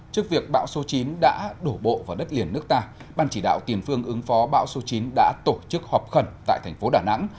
trước việc bão số chín đã đổ bộ vào đất liền nước ta ban chỉ đạo tiền phương ứng phó bão số chín đã tổ chức họp khẩn tại thành phố đà nẵng